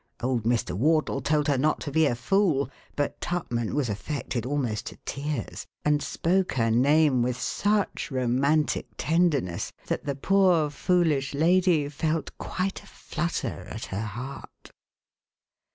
Old Mr. Wardle told her not to be a fool, but Tupman was affected almost to tears and spoke her name with such romantic tenderness that the poor foolish lady felt quite a flutter at her heart.